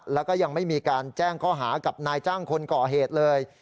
แล้วก็ยังไม่มีการแจ้งข้อหากับนายจ้างคนก่อเหตุเลย